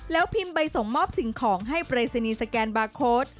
แล้วพิมพ์ใบส่งมอบสิ่งของให้ปรายศนีย์สแกนบาร์โค้ด